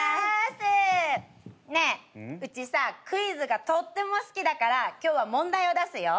ねえうちさクイズがとっても好きだから今日は問題を出すよ。